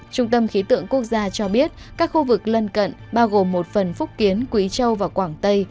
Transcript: trung tâm khí tượng quốc gia cho biết các khu vực lân cận bao gồm một phần phúc kiến quý châu và quảng tây